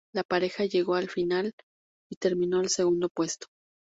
La pareja llegó a la final y terminó en el segundo puesto.